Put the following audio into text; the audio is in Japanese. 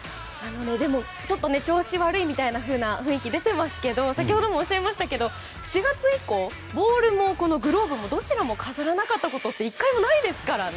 ちょっと調子悪いというような雰囲気は出ていますが先ほどもおっしゃいましたが４月以降ボールもグローブも飾らなかったことって１回もないですからね。